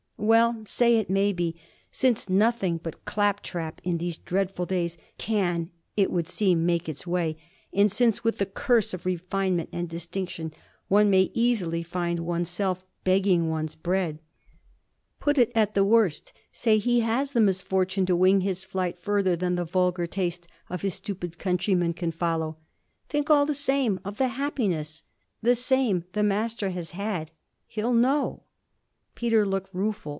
Well say it may be, since nothing but clap trap, in these dreadful days, can, it would seem, make its way, and since, with the curse of refinement and distinction, one may easily find one's self begging one's bread. Put it at the worst say he has the misfortune to wing his flight further than the vulgar taste of his stupid countrymen can follow. Think, all the same, of the happiness the same the Master has had. He'll know.' Peter looked rueful.